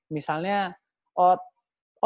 misalnya oh tau nggak kok